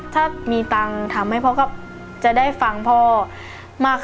ถ้ามีตังค์ทำให้พ่อก็จะได้ฟังพ่อมากค่ะ